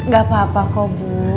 gak apa apa kok bu